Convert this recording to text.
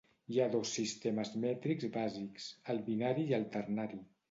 Hi ha dos sistemes mètrics bàsics: el binari i el ternari.